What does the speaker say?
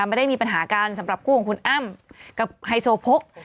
ไม่ได้มีปัญหากันสำหรับคู่ของคุณอ้ำกับไฮโซโพก